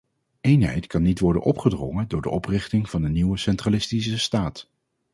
Eenheid kan niet worden opgedrongen door de oprichting van een nieuwe centralistische staat.